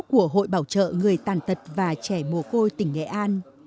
của hội bảo trợ người tàn tật và trẻ mồ côi tỉnh nghệ an